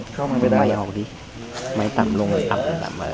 เข้ามาไม่ได้ไม้ออกดิไม้ต่ำลงหรือต่ำหรือต่ำมา